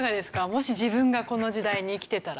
もし自分がこの時代に生きてたら。